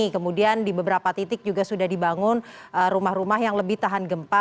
kemudian di beberapa titik juga sudah dibangun rumah rumah yang lebih tahan gempa